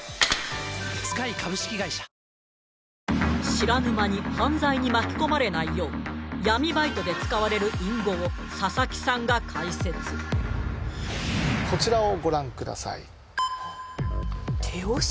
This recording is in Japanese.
知らぬ間に犯罪に巻き込まれないよう闇バイトで使われる隠語を佐々木さんが解説こちらをご覧くださいあっ「手押し」？